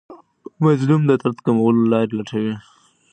مظلوم د درد کمولو لارې لټوي.